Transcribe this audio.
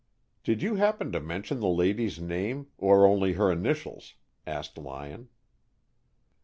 "Did you happen to mention the lady's name, or only her initials?" asked Lyon.